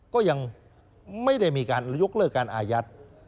ก็ยังไม่ได้มีการยกเลิกการอายัด